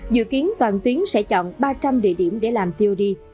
dự kiến toàn tuyến sẽ chọn ba trăm linh địa điểm để làm tod